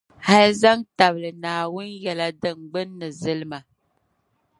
hali zaŋ tabili Naawuni yɛla din gbinni zilima.